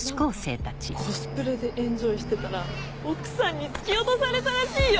何かコスプレでエンジョイしてたら奥さんに突き落とされたらしいよ。